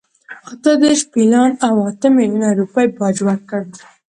اته دېرش پیلان او اته میلیونه روپۍ باج ورکړ.